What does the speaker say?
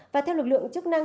và theo lực lượng chức năng